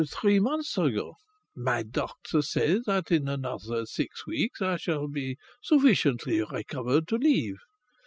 "Three months ago. My doctors say that in another six weeks I shall be sufficiently recovered to leave.